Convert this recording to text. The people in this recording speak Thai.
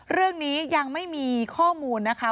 เรื่องนี้ยังไม่มีข้อมูลนะคะ